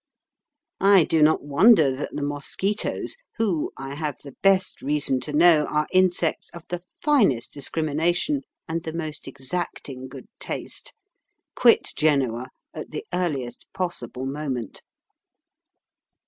I do not wonder that the mosquitoes (who, I have the best reason to know, are insects of the finest discrimination and the most exacting good taste) quit Genoa at the earliest possible moment.